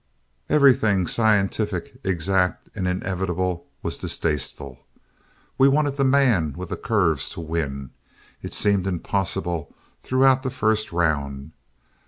Everything scientific, exact, and inevitable was distasteful. We wanted the man with the curves to win. It seemed impossible throughout the first round.